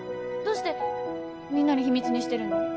どうしてみんなに秘密にしてるの？